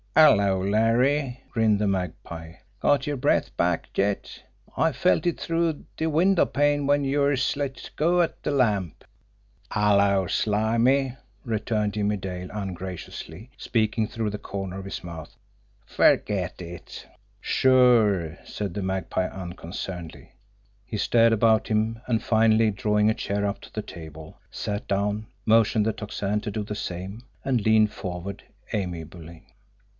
"'Ello, Larry!" grinned the Magpie. "Got yer breath back yet? I felt it through de windowpane when youse let go at de lamp!" "'Ello, Slimmy!" returned Jimmie Dale ungraciously, speaking through the corner of his mouth. "Ferget it!" "Sure!" said the Magpie unconcernedly. He stared about him, and finally, drawing a chair up to the table, sat down, motioned the Tocsin to do the same, and leaned forward amiably.